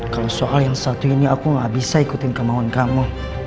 kalau soal yang satu ini aku gak bisa ikutin kemauan kamu